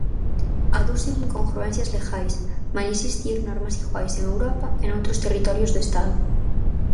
Aducen incongruencias legais malia existir normas iguais en Europa e noutros territorios do Estado.